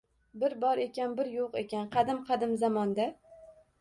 Bir bor ekan, bir yo‘q ekan, qadim-qadim zamonda...